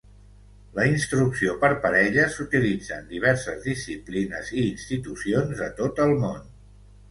La instrucció per parelles s'utilitza en diverses disciplines i institucions de tot el món.